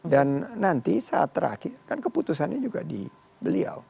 dan nanti saat terakhir kan keputusannya juga di beliau